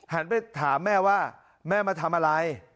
หันไปถามแม่ว่าแม่มาทำอะไร